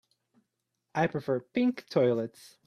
I prefer pink toilets.